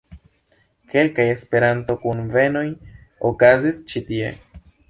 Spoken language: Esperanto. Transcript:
Kelkaj Esperanto-kunvenoj okazis ĉi tie.